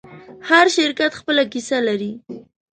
هر شرکت خپله کیسه لري.